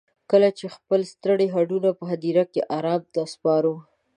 کله چې خپل ستړي هډونه په هديره کې ارام ته سپارو.